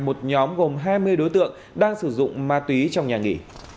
một nhóm gồm hai mươi đối tượng đang sử dụng ma túy trong nhà nghỉ